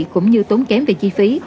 cũng như tốn kém về chi phí